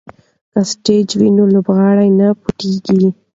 که سټیج وي نو لوبغاړی نه پټیږي.